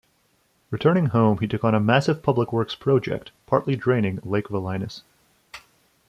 Returning home he took on a massive public works project, partly draining Lake Velinus.